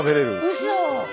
うそ！